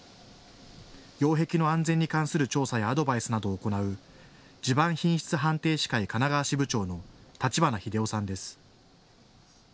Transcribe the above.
擁壁の安全に関する調査やアドバイスなどを行う地盤品質判定士会神奈川支部長の立花秀夫さんです。